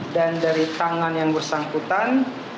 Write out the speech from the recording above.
dan dari tangan yang bersangkutan